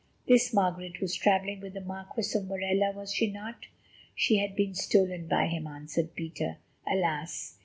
"This Margaret was travelling with the Marquis of Morella, was she not?" "She had been stolen by him," answered Peter. "Alas!